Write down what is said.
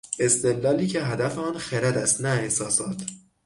استدلالی که هدف آن خرد است نه احساسات